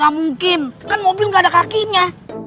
gak mungkin kan mobil gak ada kakinya